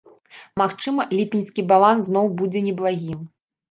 Магчыма, ліпеньскі баланс зноў будзе неблагім.